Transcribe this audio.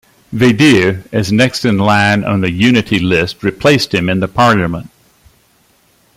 Vaidere, as next in line on the Unity list, replaced him in the Parliament.